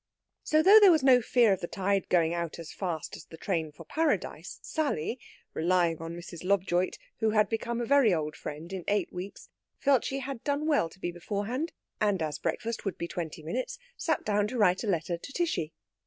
So, though there was no fear of the tide going out as fast as the train for Paradise, Sally, relying on Mrs. Lobjoit, who had become a very old friend in eight weeks, felt she had done well to be beforehand, and, as breakfast would be twenty minutes, sat down to write a letter to Tishy.